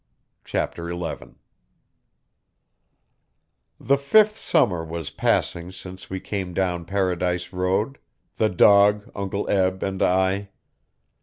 Chapter 11 The fifth summer was passing since we came down Paradise Road the dog, Uncle Eb and I.